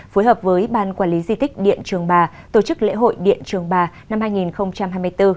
phối hợp với ban quản lý di tích điện trường bà tổ chức lễ hội điện trường bà năm hai nghìn hai mươi bốn